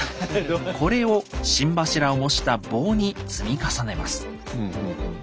これを心柱を模した棒に積み重ねます。